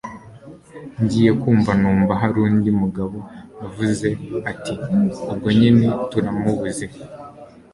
ngiye kumva numva harundi mugabo uvuze ati ubwo nyine turamubuze